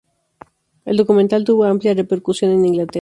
El documental tuvo amplia repercusión en Inglaterra.